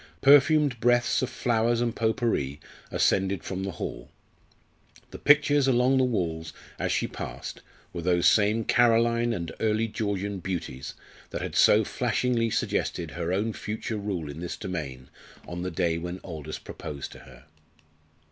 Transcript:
Perfumed breaths of flowers and pot pourri ascended from the hall. The pictures along the walls as she passed were those same Caroline and early Georgian beauties that had so flashingly suggested her own future rule in this domain on the day when Aldous proposed to her.